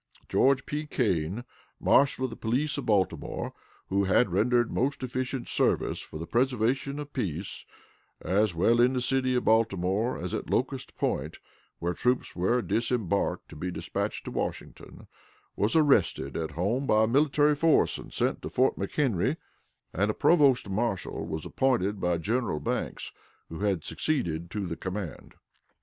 George P. Kane, Marshal of the Police of Baltimore, who had rendered most efficient service for the preservation of peace, as well in the city of Baltimore as at Locust Point, where troops were disembarked to be dispatched to Washington, was arrested at home by a military force, and sent to Fort McHenry, and a provost marshal was appointed by General Banks, who had succeeded to the command.